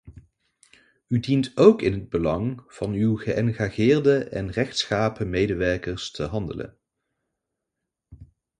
U dient ook in het belang van uw geëngageerde en rechtschapen medewerkers te handelen.